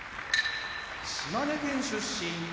島根県出身